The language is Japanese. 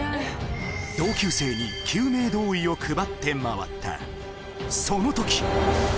同級生に救命胴衣を配ってまわったその時！